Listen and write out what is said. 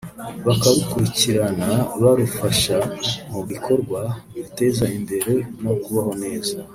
bakarukurikirana barufasha mu bikorwa biruteza imbere no kubaho neza